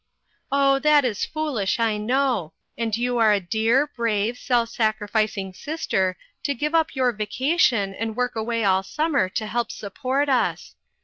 " Oh, that is foolish, I know ; and you are a dear, brave, self sacrificing sister, to give up your vacation and work away all summer to help support us.